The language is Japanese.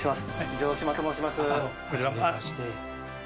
城島と申します。